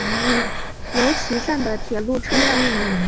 由岐站的铁路车站。